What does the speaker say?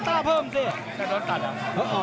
ถ้าโดดตัดอะ